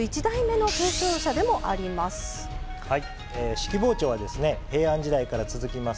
式包丁は平安時代から続きます